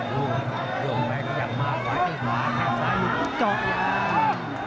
โหโยงแรกอย่างมากไว้ขึ้นขวาแข้งซ้ายอยู่ทุกจอง